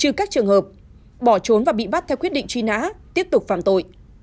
trừ các trường hợp bỏ trốn và bị bắt theo quyết định truy nã tiếp tục phạm tội